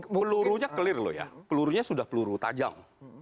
pelurunya clear loh ya pelurunya sudah peluru tajam